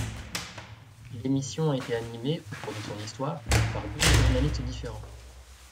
L'émission a été animée, au cours de son histoire, par douze journalistes différents.